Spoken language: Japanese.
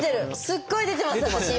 すごい出てます